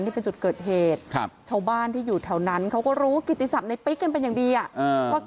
นี่เป็นจุดเกิดเหตุครับชาวบ้านที่อยู่แถวนั้นเขาก็รู้กิติศัพทในปิ๊กกันเป็นอย่างดีอ่ะว่า